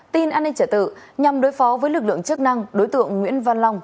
tin an ninh trả tự nhằm đối phó với lực lượng chức năng đối tượng nguyễn văn long